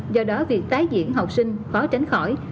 do đó việc tái diễn học sinh khó tránh khỏi